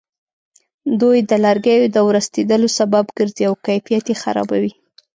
دوی د لرګیو د ورستېدلو سبب ګرځي او کیفیت یې خرابوي.